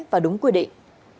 và đúng quy định